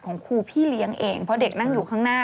ของครูพี่เลี้ยงเองเพราะเด็กนั่งอยู่ข้างหน้า